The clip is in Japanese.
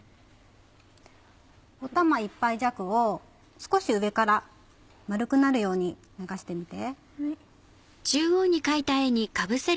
お玉１杯弱を少し上から丸くなるように流してみて。